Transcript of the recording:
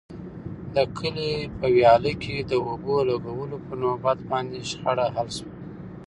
د کلي په ویاله کې د اوبو لګولو په نوبت باندې شخړه حل شوه.